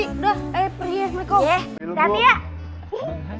udah pergi aja